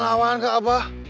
ini gak lawan ke abah